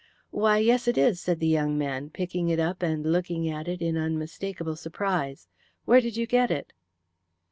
"Why, yes, it is," said the young man, picking it up and looking at it in unmistakable surprise. "Where did you get it?"